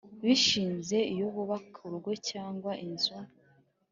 bishinze iyo bubaka urugo cyangwa inzu